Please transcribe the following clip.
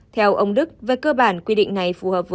theo ông đức với cơ bản quy định này phù hợp với các cơ sở giáo dục